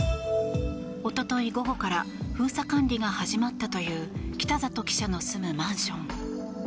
一昨日午後から封鎖管理が始まったという北里記者の住むマンション。